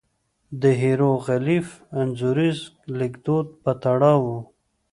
د هېروغلیف انځوریز لیکدود په تړاو وو.